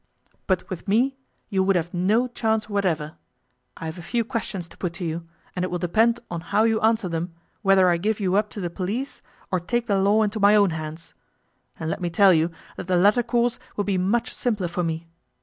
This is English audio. But with me you would have no chance whatever. I have a few questions to put to you, and it will depend on how you answer them whether I give you up to the police or take the law into my own hands. And let me tell you that the latter course would be much simpler for me.